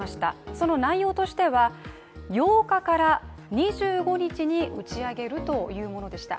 その内容としては、８日から２５日に打ち上げるというものでした。